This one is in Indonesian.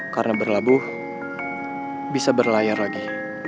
karena berlabuh bisa berlayar lagi